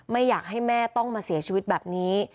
ไม่อยากให้แม่ต้องมาเสียชีวิตแบบนี้